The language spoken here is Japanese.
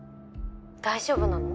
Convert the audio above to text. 大丈夫なの？